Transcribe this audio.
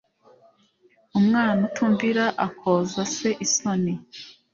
umwana utumvira akoza se isoni